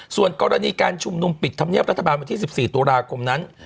ส่วนกรณีการชุมนุมปิดธรรมเนียบรัฐบาลวันที่๑๔ตุลาคมนั้น